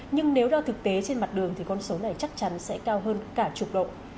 nhưng nếu đo thực tế trên mặt đường thì con số này chắc chắn sẽ cao hơn cả chục độ